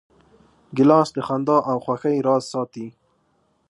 ګیلاس د خندا او خوښۍ راز ساتي.